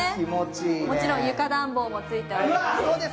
もちろん床暖房もついています。